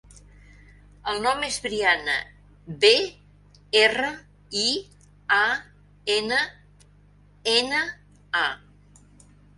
El nom és Brianna: be, erra, i, a, ena, ena, a.